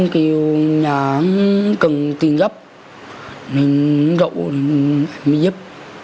kêu nhà cần tiền gấp mình gậu mình giúp